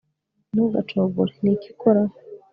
ntugacogore, niki ukora